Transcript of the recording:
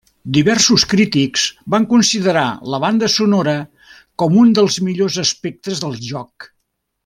Diversos crítics van considerar la banda sonora com un dels millors aspectes del joc.